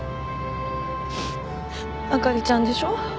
あかりちゃんでしょ。